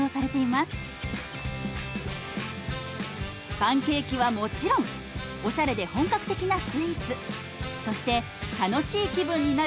パンケーキはもちろんおしゃれで本格的なスイーツそして楽しい気分になる